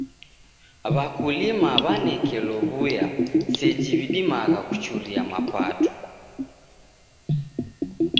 W'akulima w'anekelo w'uya seji w'idimagha kuchuria mapato.